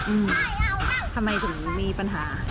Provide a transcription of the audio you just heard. ทำไมถึงมีปัญหา